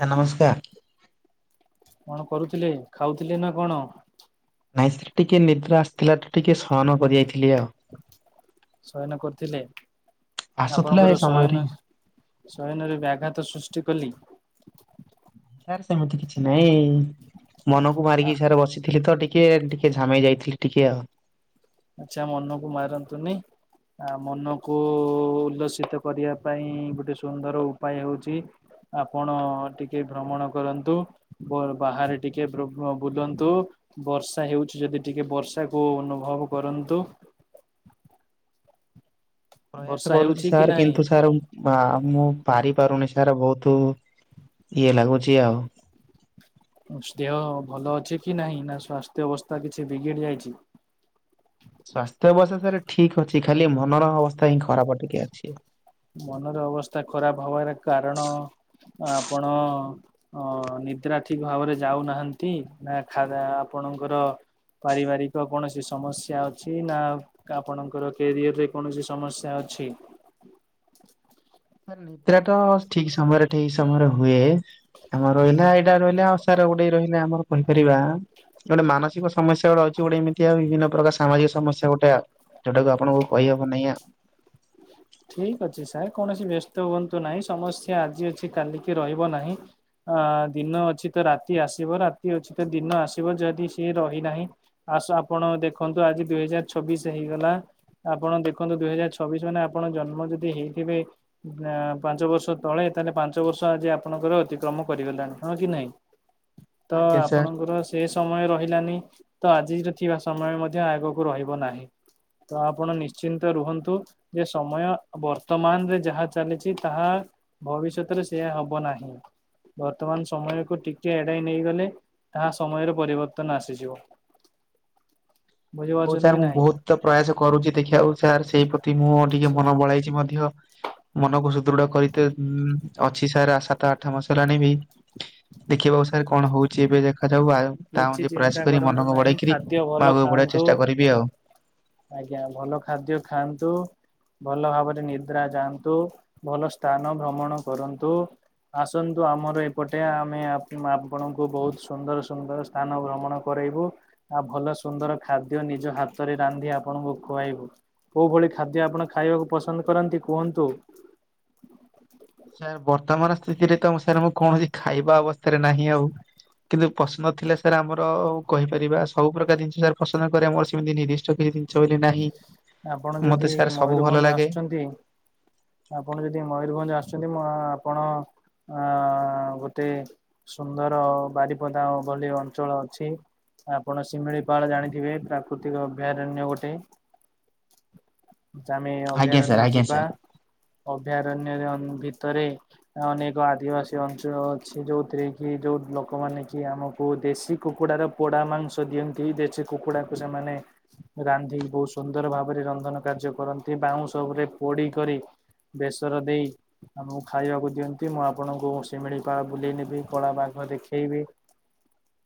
Sir ନମସ୍କାର। କଣ କରୁଥିଲେ ଖାଉଥିଲେ ନା କଣ? ନାଇଁ ସେ ଟିକେ ନିଦ୍ରା ଆସିଥିଲା ତ ଟିକେ ସୟନ କରିଦେଇଥିଲି ଆଉ। ଶୟନ କରିଥିଲେ ଆସୁଥିଲା ଏ ଆପଣଙ୍କର ସମୟରେ ଶୟନ ଶୟନରେ ବ୍ୟାଘାତ ସୃଷ୍ଟି କଲି। ସାର୍ ସେମିତି କିଛି ନାଇଁ ମନକୁ ଆ ମାରିକି ସାର୍ ବସି ଥିଲି ତ ଟିକେ ଟିକେ ଝାମେଇ ଯାଇଥିଲି ଟିକେ ଆଉ। ଆଚ୍ଛା ମନକୁ ମାରନ୍ତୁନି। ଆ ମନକୁ ଉଲ୍ଲସିତ କରିବା ପାଇଁ ଗୋଟେ ସୁନ୍ଦର ଉପାୟ ହଉଛି। ଆପଣ ଟିକେ ଭ୍ରମଣ କରନ୍ତୁ। ବାହାରେ ଟିକେ ବୁ ବୁଲନ୍ତୁ। ବର୍ଷା ହେଉଛି ଯଦି ଟିକେ ବର୍ଷାକୁ ଅନୁଭବ କରନ୍ତୁ। ପ୍ରୟାସ ବର୍ଷା କରୁଛି ହେଉଛି କି ସାର୍ ନାହିଁ? କିନ୍ତୁ ସାର୍ ବା ମୁଁ ପାଡ଼ି ପାରୁନି ସାର ବହୁତ ଇଏ ଲାଗୁଛି ଆଉ। ଦେହ ଭଲ ଅଛି କି ନାହିଁ ନା ସ୍ୱାସ୍ଥ୍ୟ ଅବସ୍ଥା କିଛି ବିଗିଡି ଯାଇଛି? ସ୍ୱାସ୍ଥ୍ୟ ଅବସ୍ଥା ସାର୍ ଠିକ ଅଛି ଖାଲି ମନର ଅବସ୍ଥା ହିଁ ଖରାପ ଟିକେ ଅଛି। ମନର ଅବସ୍ଥା ଖରାପ ହବାର କାରଣ ଆପଣ ହ ନିଦ୍ରା ଠିକ ଭାବରେ ଯାଉନାହାନ୍ତି ନା ଖା ଆପଣଙ୍କର ପାରିବାରିକ କୌଣସି ସମସ୍ୟା ଅଛି ନା ଆପଣଙ୍କର କ୍ୟାରିଅରରେ କୌଣସି ସମସ୍ୟା ଅଛି? ନିଦ୍ରା ତ ଠିକ ସମୟରେ ଠିକ ସମୟରେ ହୁଏ। ଆମ ରହିଲା ଏଇଟା ରହିଲା ଆ ସାରା ଗୋଟେ ରହିଲେ ଆମର କହିପାରିବା। ଗୋଟେ ମାନସିକ ସମସ୍ୟା ଗୋଟେ ଅଛି ଗୋଟେ ଏମିତି ଆଉ ବିଭିନ୍ନ ପ୍ରକାର ସାମାଜିକ ସମସ୍ୟା ଗୋଟେ ଆଉ। ଯୋଉଟାକୁ ଆପଣଙ୍କୁ କହିହବ ନାଇଁ ଆଉ। ଠିକ ଅଛି ସାର୍ କୌଣସି ବ୍ୟସ୍ତ ହୁଅନ୍ତୁ ନାହିଁ ସମସ୍ୟା ଆଜି ଅଛି କାଲିକି ରହିବ ନାହିଁ। ଅ ଦିନ ଅଛି ତ ରାତି ଆସିବ ରାତି ଅଛି ତ ଦିନ ଆସିବ ଯଦି ସିଏ ରହିନାହିଁ। ଆସ ଆପଣ ଦେଖନ୍ତୁ ଆଜି ଦୁଇ ହଜାର ଛବିଶ ହେଇଗଲା। ଆପଣ ଦେଖନ୍ତୁ ଦୁଇ ହଜାର ଛବିଶ ମାନେ ଆପଣ ଜନ୍ମ ଯଦି ହେଇଥିବେ ପାଞ୍ଚ ବର୍ଷ ତଳେ ତାହେଲେ ପାଞ୍ଚ ବର୍ଷ ଆଜି ଆପଣଙ୍କର ଅତିକ୍ରମ କରିଗଲାଣି ହଁ କି ନାହିଁ? ତ ଆଜ୍ଞା ସାର୍ ଆପଣଙ୍କର ସେ ସମୟ ରହିଲାନି ତ ଆଜିର ଥିବା ସମୟ ମଧ୍ୟ ଆଗକୁ ରହିବ ନାହିଁ। ତ ଆପଣ ନିଶ୍ଚିନ୍ତ ରୁହନ୍ତୁ। ଯେ ସମୟ ବର୍ତ୍ତମାନରେ ଯାହା ଚାଲିଛି ତାହା ଭବିଷ୍ୟତରେ ସେଇୟା ହବ ନାହିଁ। ବର୍ତ୍ତମାନ ସମୟକୁ ଟିକେ ଏଡେଇ ନେଇଗଲେ ତାହା ସମୟରେ ପରିବର୍ତ୍ତନ ଆସିଯିବ। ହଉ ବୁଝିପାରୁଛନ୍ତି ସାର୍ କି ମୁଁ ନାହିଁ? ବହୁତ ପ୍ରୟାସ କରୁଛି ଦେଖିବାକୁ ସାର୍ ସେଇ ପ୍ରତି ମୁଁ ଟିକେ କିଛି ମନ ବଳାଇଛି ମଧ୍ୟ ମନକୁ ଦୃଢ କରିତେ ଅଛି ସାର୍ ସାତ ଆଠ ମାସରେ ଆଣିବି। [inaudible] ଦେଖିବାକୁ ସାର କଣ ହଉଛି ଏବେ ଦେଖାଯାଉ ଆଉ ତା କିଛି ଯେ ଚିନ୍ତା ପ୍ରୟାସ କରି କରନ୍ତୁ ମନକୁ ନାହିଁ ବଢେଇକିରି ଖାଦ୍ୟ ଭଲ ଆଗକୁ ବଢେଇ ଖାଆନ୍ତୁ। କରିବି ଆଉ। ଆଜ୍ଞା ଭଲ ଖାଦ୍ୟ ଖାଆନ୍ତୁ। ଭଲ ଭାବରେ ନିଦ୍ରା ଯାଆନ୍ତୁ, ଭଲ ସ୍ଥାନ ଭ୍ରମଣ କରନ୍ତୁ। ଆସନ୍ତୁ ଆମର ଏପଟେ ଆମେ ଆପଣଙ୍କୁ ବହୁତ ସୁନ୍ଦର ସୁନ୍ଦର ସ୍ଥାନ ଭ୍ରମଣ କରାଇବୁ। ଆଉ ଭଲ ସୁନ୍ଦର ଖାଦ୍ୟ ନିଜ ହାତରେ ରାନ୍ଧି ଆପଣଙ୍କୁ ଖୁଆଇବୁ। କୋଉ ଭଳି ଖାଦ୍ୟ ଆପଣ ଖାଇବାକୁ ପସନ୍ଦ କରନ୍ତି କୁହନ୍ତୁ? ସାର୍ ବର୍ତ୍ତମାନ ସ୍ଥିତିରେ ତ ସାର୍ ମୁଁ କୌଣସି ଖାଇବା ଅବସ୍ଥାରେ ନାହିଁ ଆଉ କିନ୍ତୁ ପସନ୍ଦ ଥିଲା ସାର୍ ଆମର କହିପାରିବା। ସବୁ ପ୍ରକାର ଜିନିଷ ସାର୍ ପସନ୍ଦ କରେ ଆମର ସେମିତି ନିର୍ଦ୍ଧିଷ୍ଟ କିଛି ଜିନିଷ ବୋଲି ନାହିଁ। ଆପଣ ମତେ ଯଦି ସାର୍ ସବୁ ଭଲ ମୟୁରଭଞ୍ଜ ଲାଗେ ଆସୁଛନ୍ତି ଆପଣ ଯଦି ମୟୂରଭଞ୍ଜ ଆସୁଛନ୍ତି ମ ଆପଣ ଅ ଗୋଟେ ସୁନ୍ଦର ବାରିପଦା ବୋଲି ଅଞ୍ଚଳ ଅଛି। ଆପଣ ଶିମିଳିପାଳ ଜାଣିଥିବେ, ପ୍ରାକୃତିକ ଅଭୟାରଣ୍ୟ ଗୋଟେ। ତ ଆମେ ଆଜ୍ଞା ସାର୍ ଅଭୟାରଣ୍ୟ ଆଜ୍ଞା ଯିବା ସାର୍। ଅଭୟାରଣ୍ୟରେ ଭିତରେ ଅନେକ ଆଦିବାସୀ ଅଞ୍ଚଳ ଅଛି ଯୋଉଥିରେ କି ଯୋଉ ଲୋକମାନେ କି ଆମକୁ ଦେଶୀ କୁକୁଡାର ପୋଡା ମାଂସ ଦିଅନ୍ତି। ଦେଶୀ କୁକୁଡାକୁ ସେମାନେ ରାନ୍ଧିକି ବହୁତ ସୁନ୍ଦର ସୁନ୍ଦର ଭାବରେ ରନ୍ଧନ କାର୍ଯ୍ୟ କରନ୍ତି, ବାଉଁଶ ଉପରେ ପୋଡି କରି ବେସର ଦେଇ। ଆମକୁ ଖାଇବାକୁ ଦିଅନ୍ତି। ମୁଁ ଆପଣଙ୍କୁ ଶିମିଳିପାଳ ବୁଲେଇ ନେବି, କଳା ବାଘ ଦେଖେଇବି। [unintelligible]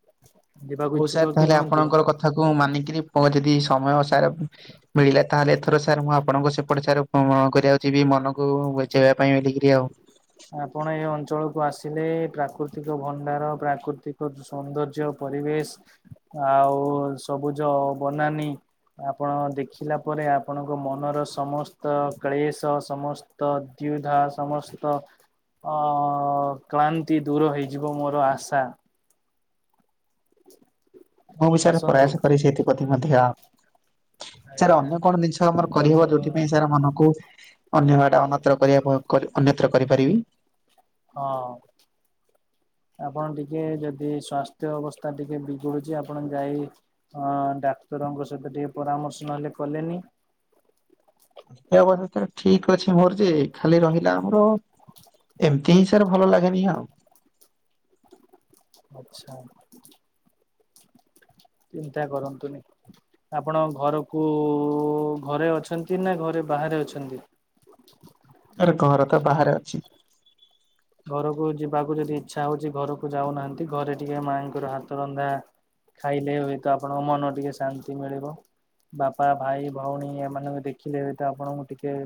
ଯିବାକୁ ହଉ ଇଚ୍ଛୁକ ସାର୍ କି ତାହେଲେ ନୁହନ୍ତି? ଆପଣଙ୍କର କଥାକୁ ମାନିକିରି ପଞ୍ଚିବି ଯଦି ସମୟ ସାର୍। ମିଳିଲା ତାହେଲେ ଏଥର ସାର୍ ମୁଁ ଆପଣଙ୍କ ସେପଟେ ସାର କରିବାକୁ ଜିବି ମନକୁ। ଯବା ପାଇଁ ବଲିକିରି ଆଉ। ଆପଣ ଏଇ ଅଞ୍ଚଳକୁ ଆସିଲେ, ପ୍ରାକୃତିକ ଭଣ୍ଡାର, ପ୍ରାକୃତିକ ସୌନ୍ଦର୍ଯ୍ୟ। ପରିବେଶ ଆଉ ସବୁଜ ବନାନୀ। ଆପଣ ଦେଖିଲା ପରେ ଆପଣଙ୍କ ମନର ସମସ୍ତ କ୍ଳେଶ ସମସ୍ତ। ତ ଦୁଧ୍ୟା ସ। ସମସ୍ତ କ୍ଳାନ୍ତି ଦୁର ହେଇଯିବ ମୋର ଆଶା। ହ ମୁ ବି ସାର୍ ପ୍ରୟାସ କରି ବି ସେଥିପତି ମଧ୍ୟ। ସାର୍ ଆଜ୍ଞା ଅନ୍ୟ କଣ ଜିନିଷ ଆମର କରିହବ ଆପଣ ଯୋଉଥି ପାଇଁ ସାର୍ ମନକୁ। ଅନ୍ୟଟା ଅନ୍ୟତ୍ର କରିବା ଅନ୍ୟତ୍ର କରିପାରିବି। ହଁ। ଆପଣ ଟିକେ ଯଦି ସ୍ଵାସ୍ତ୍ୟ ଅବସ୍ଥା ଟିକେ ବିଗଡୁଛି ଆପଣ ଯାଇ। ହଁ ଡାକ୍ତରଙ୍କ ସହିତ ଟିକେ ପରାମର୍ଶ ନହେଲେ କଲେନି। ସେ ଅବସ୍ ଠିକ ଅଛି ମୋର ଯେ ଖାଲି ରହିଲା ଆମର। ଏମିତି ହିଁ ସାର୍ ଭଲ ଲାଗେନି ଆଉ। ଆଛା। ଚିନ୍ତା କରନ୍ତୁନି। ଆପଣ ଘରକୁ ଘରେ ଅଛନ୍ତି ନା ଘରେ ବାହାରେ ଅଛନ୍ତି। ଆରେ ଘର ତ ବାହାରେ ଅଛି। ଘରକୁ ଯିବାକୁ ଯଦି ଇଚ୍ଛା ହଉଛି ଘରକୁ ଯାଉନାହାନ୍ତି ଘରେ ଟିକେ ମାଇଁ ଙ୍କର ହାତ ରନ୍ଧା। ଖାଇଲେ ହୁଏତ ଆପଣଙ୍କ ମନ ଟିକେ ଶାନ୍ତି ମିଳିବ। ବାପା ଭାଇ ଭଉଣୀ ଏମାନଙ୍କୁ ଦେଖିଲେ ବି ତ ଆପଣଙ୍କୁ ଟିକେ।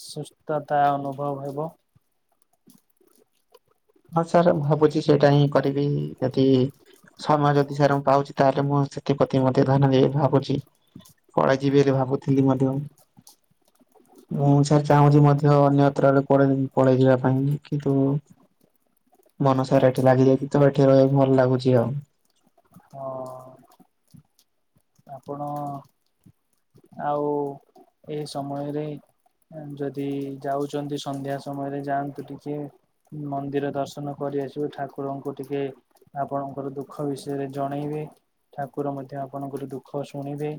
ସୁସ୍ଥତା ଅନୁଭବ ହେବ। ହଁ ସାର୍ ମୁ ଭାବୁଛି ସେଇଟା ହିଁ କରିବି ଯଦି ସମୟ ଯଦି ସାର୍ ମୁଁ ପାଉଛି। ତାହେଲେ ମୁଁ ସେଥିପତି ମଧ୍ୟ ଧ୍ୟାନ ଦେବି ଭାବୁଛି। ପଳେଇ ଯିବି ବୋଲି ଭାବୁଥିଲି ମଧ୍ୟ। ମୁଁ ସାର୍ ଚାହୁଁଛି ମଧ୍ୟ ଅନ୍ୟତ୍ରରେ ପଳେଇ ପଳେଇଯିବା ପାଇଁ କିନ୍ତୁ। ମନ ସାର ଏଠି ଲାଗିଯାଇଛି, ତ ଏଠି ରହିବାକୁ ଭଲ ଲାଗୁଛି ଆଉ। ହଁ। ଆପଣ ଆଉ ଏଇ ସମୟରେ। ଯଦି ଯାଉଛନ୍ତି ସନ୍ଧ୍ୟା ସମୟରେ ଯାଆନ୍ତୁ ଟିକେ। ମନ୍ଦିର ଦର୍ଶନ କରି ଆସିବୁ ଠାକୁରଙ୍କୁ ଟିକେ। ଆପଣଙ୍କର ଦୁଃଖ ବିଷୟରେ ଜଣେଇବେ ଠାକୁର ମଧ୍ୟ ଆପଣଙ୍କର। ଦୁଃଖ ଶୁଣିବେ।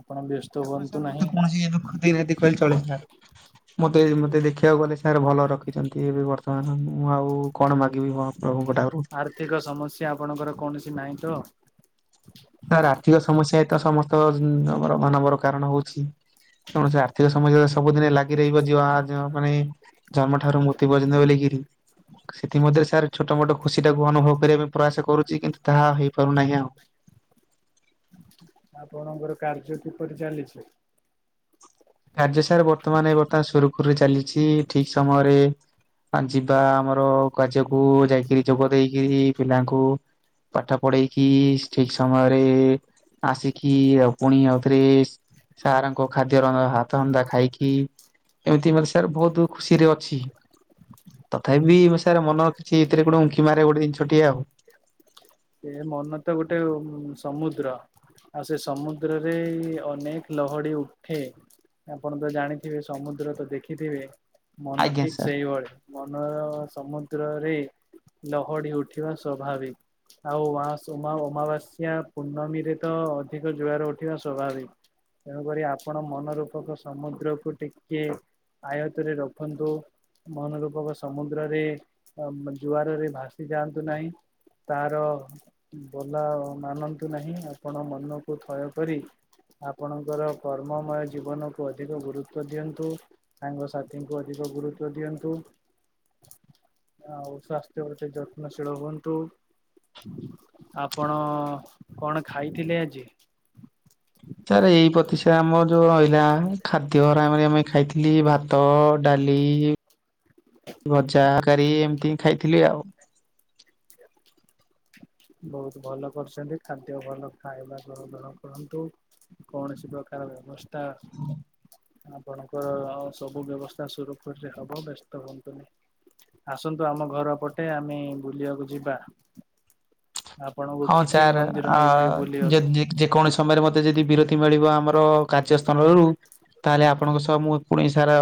ଆପଣ ବ୍ୟସ୍ତ ଠାକୁର ହୁଅନ୍ତୁ ସାର୍ ନାହିଁ। ମତେ କୌଣସି ଦୁଃଖ ଦେଇନାହାନ୍ତି କହିଲେ ଚଲିବ ସାର୍। ମତେ ମତେ ଦେଖିବାକୁ ଗଲେ ସାର୍ ଭଲ ରଖିଛନ୍ତି ଏବେ ବର୍ତ୍ତମାନ ମୁଁ ଆଉ କଣ ମାଗବି। ବି ମହା ପ୍ରଭୁଙ୍କ ଠାରୁ। ଆର୍ଥିକ ସମସ୍ୟା ଆପଣଙ୍କର କୌଣସି ନାହିଁ ତ। ସାର୍ ଆର୍ଥିକ ସମସ୍ୟା ଏତ ସମସ୍ତ ମାନବର କାରଣ ହଉଛି। ଶୁଣ ସାର ଆର୍ଥିକ ସମସ୍ୟା ସବୁଦିନେ ଲାଗ। ଲାଗିରହିବ ଯ ମାନେ ଜନ୍ମ ଠାରୁ ମୃତ୍ୟୁ ପର୍ଯ୍ୟନ୍ତ ବୋଲିକିରି ସେଥିମନ୍ଧରେ ସାର୍ ଛୋଟ ମୋଟ ଖୁସି ଟାକୁ ଅନୁଭବ କରିବା ପାଇଁ ପ୍ରୟାସ କରୁଛି କିନ୍ତୁ ତାହା ହେଇପାରୁନାହିଁ ଆଉ। ଆପଣଙ୍କର କାର୍ଯ୍ୟ କିପରି ଚାଲିଛି? କାର୍ଯ୍ୟ ସାର୍ ବର୍ତ୍ତମାନ୍ ଏ ବର୍ତ୍ତା ସୁରୁଖୁରୁ ରେ ଚାଲିଛି ଠିକ୍ ସମୟରେ ଆଁ ଯିବା ଆମର କାର୍ଯ୍ୟକୁ ଯାଇ କିରି ଯୋଗ ଦେଇକିରି ପିଲାଙ୍କୁ ପାଠ ପଢେଇକି ଠିକ୍ ସମୟରେ ଆସିକି ଆଉ ପୁଣି ଆଉ ଥରେ ସାର୍ ଙ୍କ ଖାଦ୍ୟ ରନ୍ଧା ହାତରନ୍ଧା ଖାଇ କି ଏମିତି ମତେ ସାର୍ ବହୁତୁ ଖୁସିରେ ଅଛି ତଥାବି [unintelligible] ସାର୍ ମନ କିଛି ଏଥିରେ ଗୋଟେ ଉଙ୍କି ମାରେ ଗୋଟେ ଜିନିଷଟିଏ ଆଉ। ସେ ମନ ତ ଗୋଟେ ଉଁ ସମୁଦ୍ର। ଆଉ ସେ ସମୁଦ୍ରରେ ଅନେକ୍ ଲହଡି ଉଠେ। ଆପଣ ତ ଜାଣିଥିବେ ସମୁଦ୍ର ତ ଦେଖି ଥିବେ ମନ ଆଜ୍ଞା ଠିକ୍ ସାର୍। ସେଇଭଳି। ମନର ସମୁଦ୍ରରେ ଲହଡି ଉଠିବା ସ୍ୱାଭାବି ଆଉ ଉଆସ୍ ଉମା ଅମାବାସ୍ୟା ପୂର୍ଣ୍ଣମୀରେ ତ ଅଧିକ ଜୁଆର ଉଠିବା ସ୍ୱାଭାବିକ୍। ତେଣୁକରି ଆପଣ ମନ ରୂପକ ସମୁଦ୍ରକୁ ଟିକେ ଆୟତ୍ ରେ ରଖନ୍ତୁ। ମନ ରୂପକ ସମୁଦ୍ରରେ ଅଁ ଜୁଆରରେ ଭାସି ଯାଆନ୍ତୁ ନାହିଁ। ତାର ବୋଲା ମାନନ୍ତୁ ନାହିଁ ଆପଣ ମନକୁ ଥୟ କରି ଆପଣଙ୍କର କର୍ମମୟ ଜୀବନକୁ ଅଧିକ ଗୁରୁତ୍ବ ଦିଅନ୍ତୁ। ସାଙ୍ଗସାଥିଙ୍କୁ ଅଧିକ ଗୁରୁତ୍ଵ ଦିଅନ୍ତୁ। ଆଉ ସ୍ୱାସ୍ଥ୍ୟ ପ୍ରତି ଯତ୍ନଶୀଳ ହୁଅନ୍ତୁ। ଆପଣ କଣ ଖାଇଥିଲେ ଆଜି? ସାରେ ଏଇ ପ୍ରତିଶା ଆମର ଯୋଉ ରହିଲା ଖାଦ୍ୟ ଉରା ଆମେ ଆମେ ଖାଇଥି ଲି ଭାତ ଡାଲି ଭଜା କାରୀ ଏମ୍ତି ଖାଇଥିଲି ଆଉ। ବହୁତ୍ ଭଲ କରୁସନ୍ତି ଖାଦ୍ୟ ଭଲ ଖାଇବା କରନ୍ତୁ ନ କରନ୍ତୁ କୌଣସି ପ୍ରକାର ବ୍ୟବସ୍ଥା ଆପଣଙ୍କର ଆଉ ସବୁ ବ୍ୟବସ୍ଥା ସୁରୁଖୁରୁରେ ହବ ବ୍ୟସ୍ତ ହୁଅନ୍ତୁନି। ଆସନ୍ତୁ ଆମ ଘର ପଟେ ଆମେ ବୁଲିଆକୁ ଯିବା। ଆପଣଙ୍କୁ ହଁ ଖିଚିଙ୍ଗ ଛାରେ ମନ୍ଦିର ନେଇଯିବେ ଆଁ ବୁଲିବାକୁ। ଯଦି ଯେକୌଣସି ସମୟରେ ମତେ ଯଦି ବିରତି ମିଳିବ ଆମର କାର୍ଯ୍ୟ ସ୍ଥାନରୁ ତାହେଲେ ଆପଣଙ୍କ ସହ ମୁଁ ପୁଣି ସାର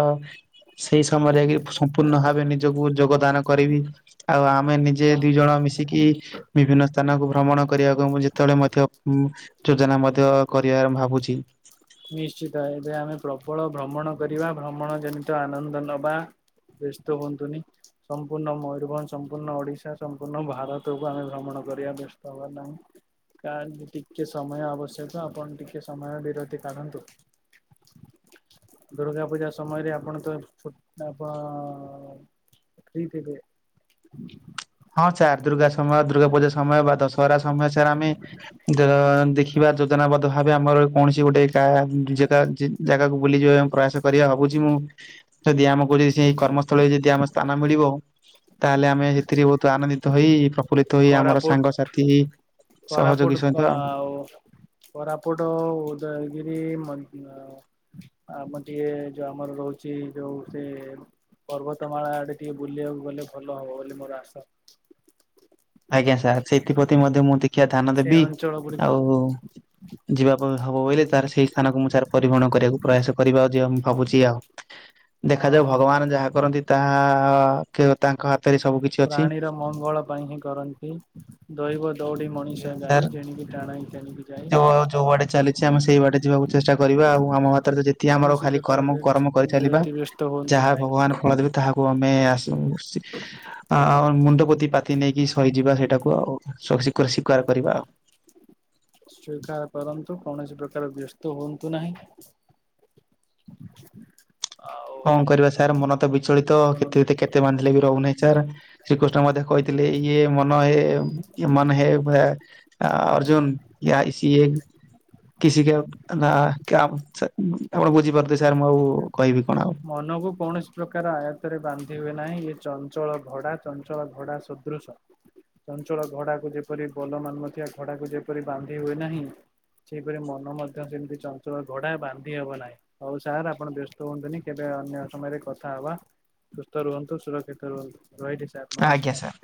ସେଇ ସମୟରେ ଯାଇକି ସମ୍ପୂର୍ଣ୍ଣ ଭାବେ ନିଜକୁ ଯୋଗଦାନ କରିବି। ଆଉ ଆମେ ନିଜେ ଦି ସମ୍ପୁ ଜଣ ମିଶିକି ବିଭିନ୍ନ ସ୍ଥାନକୁ ଭ୍ରମଣ କରିଆକୁ ମୁଁ ଯେତେବେଳେ ହୁଁ ମଧ୍ୟ ଯୋଜନା ମଧ୍ୟ କରିଆ ଭାବୁଚି। ନିଶ୍ଚିତ ଏବେ ଆମେ ପ୍ରବଳ ଭ୍ରମଣ କରିବା ଭ୍ରମଣ ଜନିତ ଆନନ୍ଦ ନବା। ବ୍ୟସ୍ତ ହୁଅନ୍ତୁନି। ସମ୍ପୂର୍ଣ୍ଣ ମୟୂରଭଞ୍ଜ୍ ସମ୍ପୂର୍ଣ୍ଣ ଓଡ଼ିଶା ସମ୍ପୂର୍ଣ୍ଣ ଭାରତକୁ ଆମେ ଭ୍ରମଣ କରିବା ବ୍ୟସ୍ତ ହୁଅ ନାହିଁ। କା [unintelligible] ଟିକେ ସମୟ ଆବଶ୍ୟକ ଆପଣ ଟିକେ ସମୟ ବିରତି କାଢ଼ନ୍ତୁ। ଦୁର୍ଗା ପୂଜା ସମୟରେ ଆପଣ ତ ଛୁଟ୍ ନବ ଫ୍ରି ଥିବେ। ହଁ ଚାର୍ ଦୁର୍ଗା ସମୟ ଦୁର୍ଗା ପୂଜା ସମୟ ବା ଦଶହରା ସମୟ ସାର୍ ଆମେ ଦଁ ଦେଖିବା ଯୋଜନାବଦ୍ଧ ଭାବେ ଆମର କୌଣସି ଗୋଟେ କା ଯେ ଜା ଯେ ଜାଗାକୁ ବୁଲିଯିବା ପାଇଁ ପ୍ରୟାସ କରିବାକୁ ଭାବୁଚି ମୁଁ ଯଦି ଆମ କୁ ଯଦି ସେଇ କର୍ମସ୍ଥଳେରେ ଯଦି ଆମ ସ୍ଥାନ ମିଳିବ ତାହେଲେ ଆମେ ସେଥିରେ ବହୁତ୍ ଆନନ୍ଦିତ ହେଇ ପ୍ର ଫୁଲ୍ଲିତ ହୋଇ ଆମର କୋରାପୁଟ ସାଙ୍ଗସାଥି କୋରାପୁଟ ସହଯୋଗୀ ସହିତ ଆଉ କୋରାପୁଟ ଉଦୟଗିରି ମ ଅ ଆମର ଟିକେ ଯୋଉ ଆମର ରହୁଛି ଯୋଉ ସେ ପର୍ବତମାଳା ଆଡେ ଟିକେ ବୁଲିବାକୁ ଗଲେ ଭଲ ହବ ବୋଲି ମୋର ଆଶା। ଆଜ୍ଞା ସାର୍ ସେଥିପ୍ରତି ମଧ୍ୟ ମୁଁ ଟିକେ ଧ୍ୟାନ ସେ ଦେବି ଅଞ୍ଚଳ ଗୁଡିକ ଆଉ ଯିବା ପାଇଁ ହବ ବୋଇଲେ ତାର ସେଇ ସ୍ଥାନକୁ ମୁଁ ସାର ପରିବହନ କରିବାକୁ ପ୍ରୟାସ କରିବା ଆଉ ଯେ ମୁଁ ଭାବୁଛି ଆଉ। [inaudible] ଦେଖାଯାଉ ଭଗବାନ ଯାହା କରନ୍ତି ତାହା କେବ ତାଙ୍କ ହାତରେ ସବୁ କି ପ୍ରାଣୀର ମଙ୍ଗଳ ପାଇଁ ହିଁ କରନ୍ତି। ଦୈବ ଦୌଡି ମଣିଷ ସାର୍ ଗାଇ ଯେଣିକି ଟାଣଇ ତେଣିକି ଯାଇଁ। ଯୋଉ ଯୋଉ ବାଟେ ଚାଲିଛି ଆମେ ସେଇ ବାଟେ ଯିବାକୁ ଚେଷ୍ଟା କରିବା ଆଉ ଆମ ହାତରେ ଯେତିକି ଆମର କୌଣସି ଖାଲି ପ୍ରକାର କର୍ମ କର୍ମ କରିଚାଲିବା। ବ୍ୟତିବ୍ୟସ୍ତ ହୁଅନ୍ତୁ ଯାହା ନାହିଁ। ଭଗବାନ ଫଳ ଦେବେ ତାହାକୁ ଆମେ ଆସ [unintelligible] ଆ ଆ ମୁଣ୍ଡ ପୋତି ପାତି ନେଇକି ସହିଯିବା ସେଇଟାକୁ ଆଉ ଶୋଷିକରି ସ୍ୱୀକାର କରିବା ଆଉ। [inaudible] ସ୍ୱୀକାର କରନ୍ତୁ କୌଣସି ପ୍ରକାର ବ୍ୟସ୍ତ ହୁଅନ୍ତୁ ନାହିଁ। [inaudible] କଣ କରିବା ସାର୍ ମନ ତ ବିଚଳିତ ଆପଣ କେତ ଏତେ କେ ଏତେ ବାନ୍ଧିଲେ ବି ରହୁ ନାଇଁ ସାର୍। ଶ୍ରୀକୃଷ୍ଣ ମଧ୍ୟ କହିଥିଲେ ଇଏ ମନ ଏ ୟେ ମନ୍ ହେ [unintelligible] ଅର୍ଜୁନ ୟା ଇଶି [unintelligible] କିଶିକେ ନା [unintelligible] ଆପଣ ବୁଝିପାରୁଥିବେ ସାର୍ ମୁଁ ଆଉ କହିବି କଣ ଆଉ ମନକୁ କୌଣସି ପ୍ରକାର ଆୟତରେ ବାନ୍ଧି ହୁଏ ନାହିଁ ଇଏ ଚଞ୍ଚଳ ଘୋଡା ଚଞ୍ଚଳ ଘୋଡା ଶ ଦୃଶ ଚଞ୍ଚଳ ଘଡାକୁ ଯେପରି ବୋଲ ମାନୁନଥିବା ଘଡାକୁ ଯେପରି ବାନ୍ଧି ହୁଏ ନାହିଁ ସେହିପରି ମନ ମଧ୍ୟ ସେମିତି ଚଞ୍ଚଳ ଘୋଡା ବାନ୍ଧି ହବ ନାହିଁ। ହଉ ସାର୍ ଆପଣ ବ୍ୟସ୍ତ ହୁଅନ୍ତୁନି କେବେ ଅନ୍ୟ ସମୟରେ କଥା ହବା ସୁସ୍ଥ ରୁହନ୍ତୁ, ସୁରକ୍ଷିତ ରୁହନ୍ତୁ ରହିଲି ସାର୍। ଆଜ୍ଞା ନମସ୍କାର। ସାର୍।